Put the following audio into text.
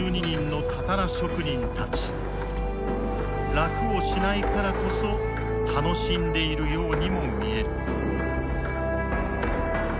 楽をしないからこそ楽しんでいるようにも見える。